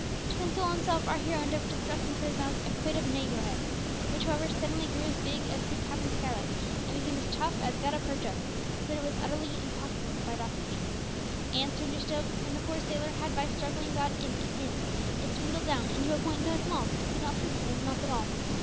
To console himself our hero endeavoured to thrust into his mouth a quid of negro head, which, however, suddenly grew as big as the cabin skylight, and became as tough as gutta percha, so that it was utterly impossible to bite off a piece; and, stranger still, when the poor sailor had by struggling got it in, it dwindled down into a point so small that he could not feel it in his mouth at all.